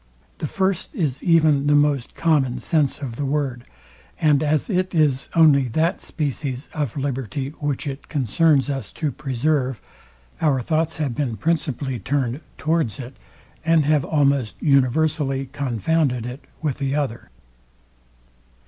The first is even the most common sense of the word; and as it is only that species of liberty, which it concerns us to preserve, our thoughts have been principally turned towards it, and have almost universally confounded it with the other.